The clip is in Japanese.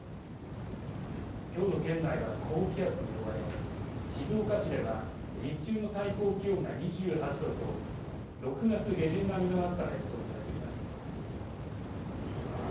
きょうの県内は高気圧に覆われ静岡市では日中の最高気温が２８度と６月下旬並みの暑さが予想されています。